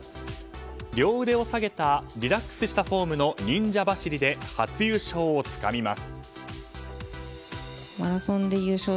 両腕を下げたリラックスしたフォームの忍者走りで初優勝をつかみます。